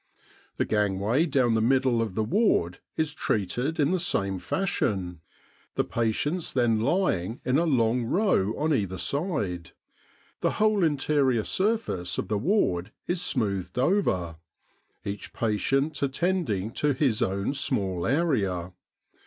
The gangway down the middle of the ward is treated in the same fashion, the patients then lying in a long row on either side; the whole interior surface of the ward is smoothed over, each patient attending to his own small area.